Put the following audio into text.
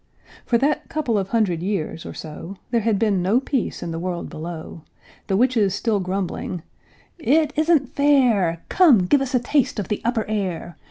For that "couple of hundred years, or so," There had been no peace in the world below; The witches still grumbling, "It isn't fair; Come, give us a taste of the upper air!